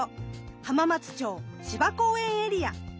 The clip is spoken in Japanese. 浜松町・芝公園エリア。